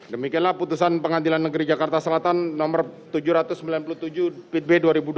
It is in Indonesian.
demikianlah putusan pengadilan negeri jakarta selatan nomor tujuh ratus sembilan puluh tujuh pitb dua ribu dua puluh